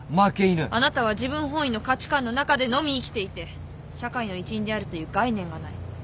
あなたは自分本位の価値観の中でのみ生きていて社会の一員であるという概念がない。